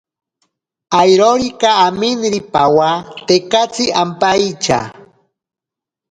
Airorika aminiri pawa tekatsi ampaitya.